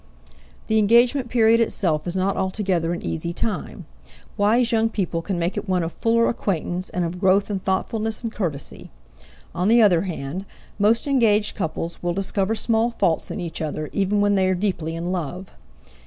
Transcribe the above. The engagement period itself is not altogether an easy time. Wise young people can make it one of fuller acquaintance and of growth in thoughtfulness and courtesy. On the other hand, most engaged couples will discover small faults in each other, even when they are deeply in love.